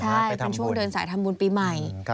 ใช่เป็นช่วงเดินสายทำบุญปีใหม่